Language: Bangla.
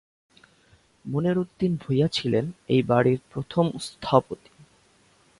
মনির উদ্দিন ভূঁইয়া ছিলেন এই বাড়ির প্রথম স্থপতি।